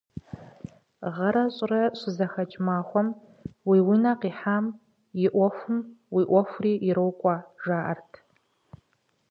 Гъэрэ щӀырэ щызэхэкӀ махуэм уи унэ къихьам и Ӏуэхум уи Ӏуэхури ирокӀуэ, жаӀэрт.